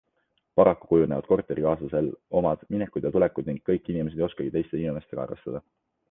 Paraku kujunevad korterikaaslasel omad minekud ja tulekud ning kõik inimesed ei oskagi teiste inimestega arvestada.